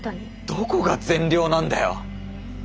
どこが善良なんだよ！